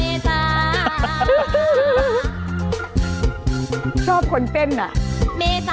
มันติดคุกออกไปออกมาได้สองเดือน